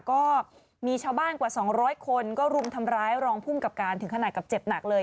ก็มีชาวบ้านกว่า๒๐๐คนก็รุมทำร้ายรองภูมิกับการถึงขนาดกับเจ็บหนักเลย